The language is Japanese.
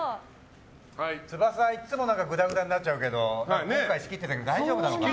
つばさはいつもぐだぐだになっちゃうけど今回仕切ってたけど大丈夫かな。